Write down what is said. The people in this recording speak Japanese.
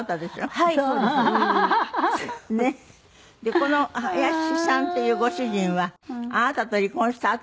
この林さんっていうご主人はあなたと離婚したあとも何回か